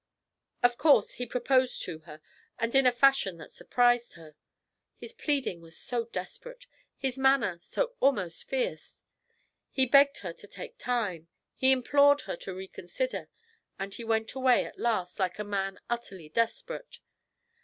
Of course he proposed to her; and in a fashion that surprised her; his pleading was so desperate, his manner so almost fierce. He begged her to take time; he implored her to reconsider; and he went away at last like a man utterly desperate.